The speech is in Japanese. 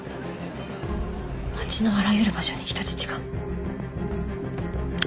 街のあらゆる場所に人質が。